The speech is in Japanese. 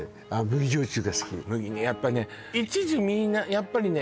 麦焼酎が好きやっぱね一時みんなやっぱりね